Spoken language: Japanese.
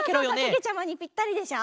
けけちゃまにぴったりでしょ？